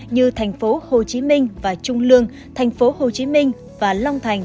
như thành phố hồ chí minh và trung lương thành phố hồ chí minh và long thành